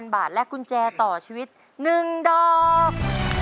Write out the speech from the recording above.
บาทและกุญแจต่อชีวิต๑ดอก